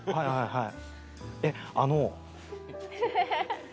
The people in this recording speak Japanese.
はい？